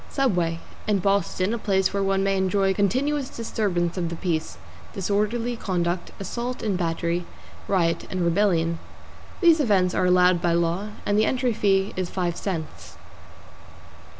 =SUBWAY= In Boston, a place where one may enjoy continuous disturbance of the peace, disorderly conduct, assault and battery, riot and rebellion. These events are allowed by law, and the entry fee is five cents.